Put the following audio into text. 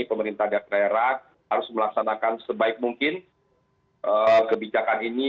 pemerintah daerah harus melaksanakan sebaik mungkin kebijakan ini